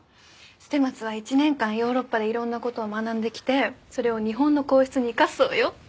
捨松は１年間ヨーロッパでいろんな事を学んできてそれを日本の皇室に生かすそうよ。